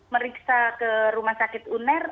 meriksa ke rumah sakit uner